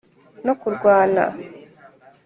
no kurwana,